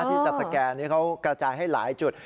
ที่จะสแกนนี้เขากระจายให้หลายจุด